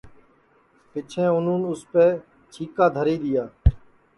پیچھیں اُنون اُس کے اُپر چھیکا دھری دؔیا